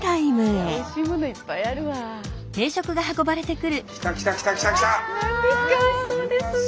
おいしそうですね。